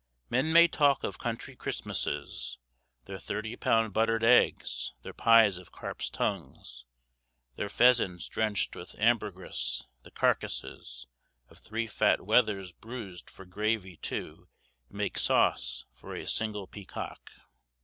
"Men may talk of country Christmasses, Their thirty pound butter'd eggs, their pies of carps' tongues, Their pheasants drench'd with ambergris, the carcases Of three fat wethers bruised for gravy to Make sauce for a single peacock."